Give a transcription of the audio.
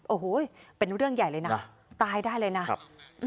โอ้โหเป็นเรื่องใหญ่เลยนะตายได้เลยนะครับ